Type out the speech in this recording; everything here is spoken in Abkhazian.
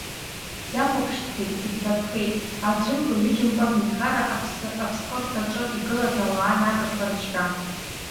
Иахуаԥштәхеит, иӡбатәхеит, аӡәымкуа-ҩыџьамкуа аҳәынҭкарра аԥсҟыртаҿы игылаз ауаа-нагақуа рышьра.